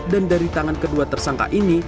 dan dari tangan kedua tersangka ini